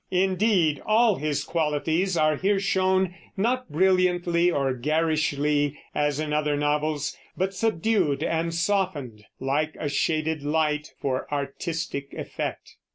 Indeed, all his qualities are here shown, not brilliantly or garishly, as in other novels, but subdued and softened, like a shaded light, for artistic effect.